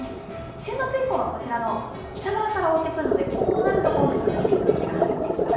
週末以降はこちらの北側から覆ってくるのでこうなると涼しい空気が入ってきます。